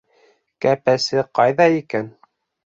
Кәпәсе ҡайҙа икән?